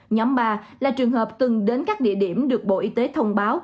nhóm ba là trường hợp từng đến các địa điểm được bộ y tế thông báo